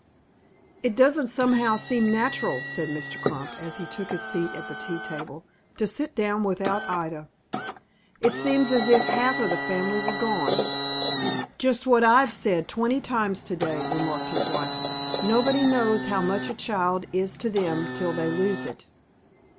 "It doesn't somehow seem natural," said Mr. Crump, as he took his seat at the tea table, "to sit down without Ida. It seems as if half of the family were gone." "Just what I've said twenty times to day," remarked his wife. "Nobody knows how much a child is to them till they lose it."